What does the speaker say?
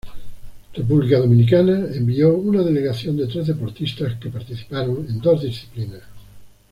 República Dominicana envió una delegación de tres deportistas que participaron en dos disciplinas.